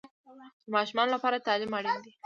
د ماشومانو لپاره تعلیم اړین دی.